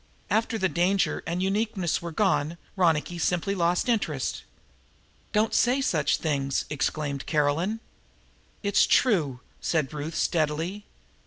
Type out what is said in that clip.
After the danger and uniqueness were gone Ronicky simply lost interest." "Don't say such things!" exclaimed Caroline. "It's true," said Ruth steadily.